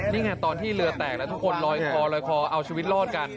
นี่ไงตอนที่เรือแตกแล้วทุกคนลอยคอลอยคอเอาชีวิตรอดกัน